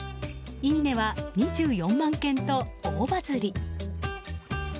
いいねは２４万件と大バズり。